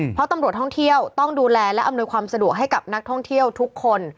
เพราะตำรวจท่องเที่ยวต้องดูแลและอำนวยความสะดวกให้กับนักท่องเที่ยวทุกคน